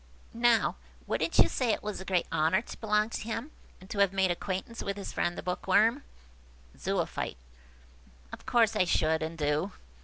Now, wouldn't you say that it was a great honour to belong to him, and to have made acquaintance with his friend the Bookworm?" Zoophyte. "Of course I should, and do."